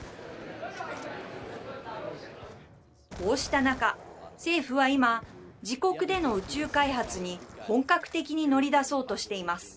こうした中、政府はいま自国での宇宙開発に本格的に乗り出そうとしています。